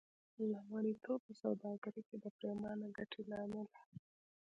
د مریتوب په سوداګرۍ کې د پرېمانه ګټې له امله.